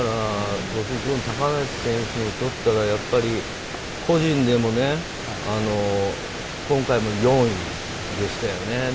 小杉君、高梨選手にとったら個人でも今回も４位でしたよね。